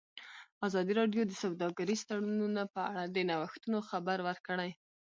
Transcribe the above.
ازادي راډیو د سوداګریز تړونونه په اړه د نوښتونو خبر ورکړی.